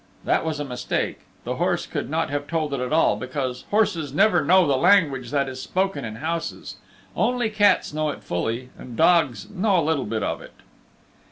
(That was a mistake. The horse could not have told it at all, because horses never know the language that is spoken in houses only cats know it fully and dogs know a little of it.)